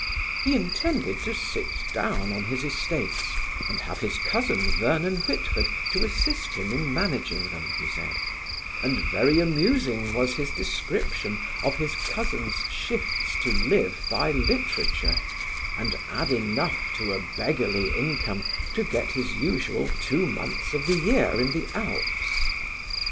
He intended to sit down on his estates and have his cousin Vernon Whitford to assist him in managing them, he said; and very amusing was his description of his cousin's shifts to live by literature, and add enough to a beggarly income to get his usual two months of the year in the Alps.